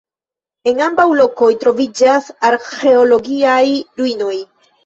En ambaŭ lokoj troviĝas arĥeologiaj ruinoj.